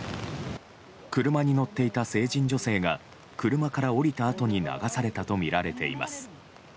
車に乗っていた成人女性が車から降りたあとに流されたとみられています。